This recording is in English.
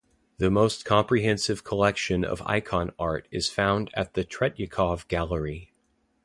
The most comprehensive collection of Icon art is found at the Tretyakov Gallery.